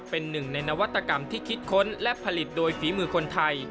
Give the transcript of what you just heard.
เป็นหนึ่งในนวัตกรรมที่คิดค้นและผลิตโดยฝีมือคนไทย